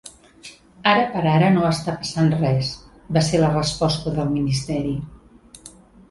Ara per ara no està passant res, va ser la resposta del ministeri.